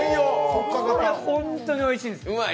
これ本当においしいんです。